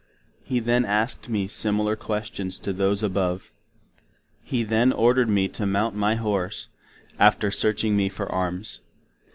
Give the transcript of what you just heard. He then asked me similar questions to those above. He then orderd me to mount my Horse, after searching me for arms.